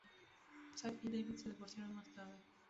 Saks y David se divorciaron más tarde.